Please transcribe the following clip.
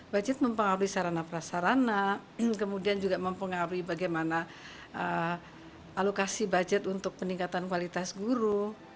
budget mempengaruhi sarana prasarana kemudian juga mempengaruhi bagaimana alokasi budget untuk peningkatan kualitas guru